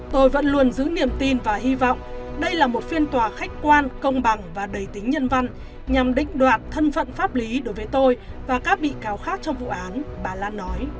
tôi vẫn luôn giữ niềm tin và hy vọng đây là một phiên tòa khách quan công bằng và đầy tính nhân văn nhằm đích đoạn thân phận pháp lý đối với tôi và các bị cáo khác trong vụ án bà lan nói